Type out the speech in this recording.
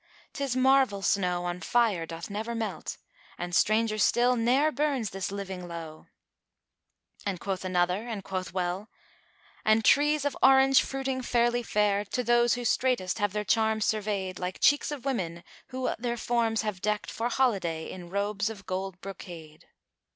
'Tis marvel snow on fire doth never melt * And, stranger still, ne'er burns this living lowe!" And quoth another and quoth well, "And trees of Orange fruiting ferly fair * To those who straitest have their charms surveyed; Like cheeks of women who their forms have decked * For holiday in robes of gold brocade."